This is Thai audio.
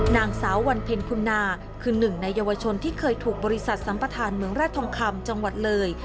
นางสาววันเพ็ญคุณนาคือหนึ่งในเยาวชนที่เคยถูกบริษัทสัมประธานเมืองราชทองคำจังหวัดเลย